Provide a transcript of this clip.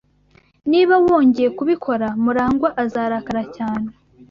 Niba wongeye kubikora, Murangwa azarakara cyane.